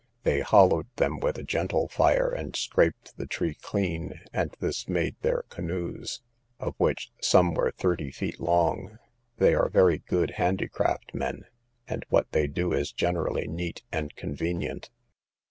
They hollowed them with a gentle fire, and scraped the trunk clean, and this made their canoes, of which some were thirty feet long. They are very good handicraft men, and what they do is generally neat and convenient.